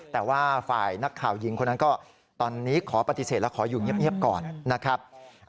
แต่ว่าฝ่ายนักข่าวหญิงคนนั้นก็ตอนนี้ขอปฏิเสธและขออยู่เงียบก่อนนะครับ